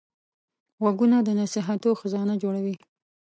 غوږونه د نصیحتو خزانه جوړوي